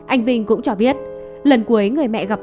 anh vinh cũng cho biết lần cuối người mẹ gặp